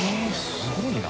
すごいな。